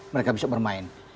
mereka bisa bermain